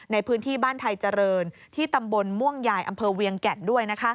ในพื้นที่บ้านไทยเจริญที่ตำบลม่วงยายอำเภอเวียงแก่นด้วย